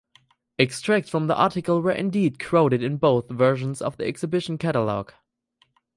Extracts from the article were indeed quoted in (both versions of) the exhibition catalogue.